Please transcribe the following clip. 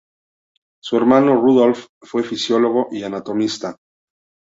Su hermano Rudolf fue fisiólogo y anatomista.